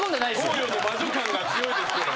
東洋の魔女感が強いですが。